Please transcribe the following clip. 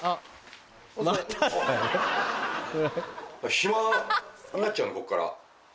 暇になっちゃうのこっから。